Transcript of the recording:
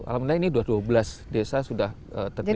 alhamdulillah ini dua dua belas desa sudah terdevelop